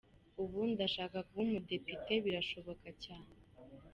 Ubu ndashaka kuba umudepite, birashoboka cyane’.